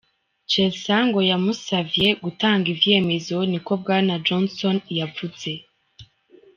"Chelsea ngo yamusavye gutanga ivyemezo", niko Bwana Johnson yavuze.